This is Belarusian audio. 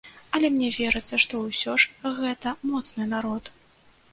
Але мне верыцца, што ўсё ж гэта моцны народ.